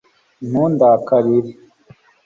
ntundakarire